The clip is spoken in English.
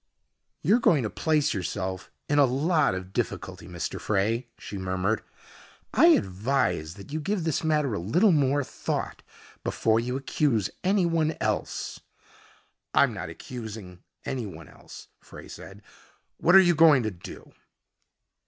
"You're going to place yourself in a lot of difficulty, Mr. Frey," she murmured. "I advise that you give this matter a little more thought before you accuse anyone else " "I'm not accusing anyone else," Frey said. "What are you going to do?"